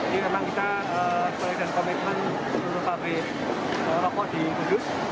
jadi memang kita melakukan komitmen untuk pabrik rokok di kudus